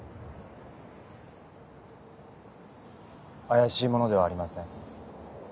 怪しい者ではありません